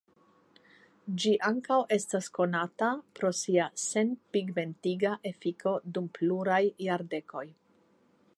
Ĝi ankaŭ estas konata pro sia senpigmentiga efiko dum pluraj jardekoj.